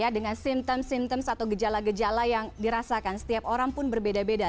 dengan simptom simptoms atau gejala gejala yang dirasakan setiap orang pun berbeda beda